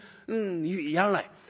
やらない。